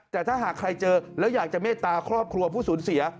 แต่ถ้าหากใครเจอแล้วอยากจะเมตตาครอบครัวผู้สูญเสีย